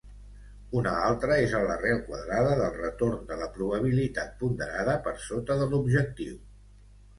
Una altra és l'arrel quadrada del retorn de la probabilitat-ponderada per sota de l'objectiu.